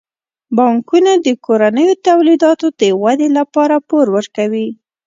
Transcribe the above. بانکونه د کورنیو تولیداتو د ودې لپاره پور ورکوي.